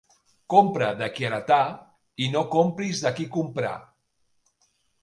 Compra de qui heretà i no compris de qui comprà.